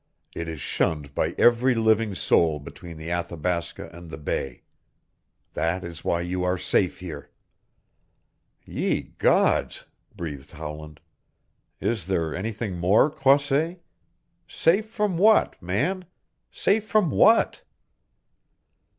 It is shunned by every living soul between the Athabasca and the bay. That is why you are safe here." "Ye gods!" breathed Howland. "Is there anything more, Croisset? Safe from what, man? Safe from what?"